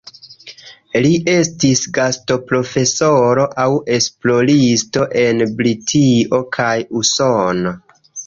Li estis gastoprofesoro aŭ esploristo en Britio kaj Usono.